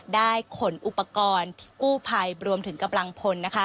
ขนอุปกรณ์ที่กู้ภัยรวมถึงกำลังพล